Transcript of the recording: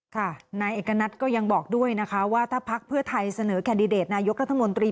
ค่ะนายเอกณัติก็ยังบอกด้วยนะคะว่าถ้าพักเพื่อไทยเสนอแคนดิเดตนายกรัฐมนตรี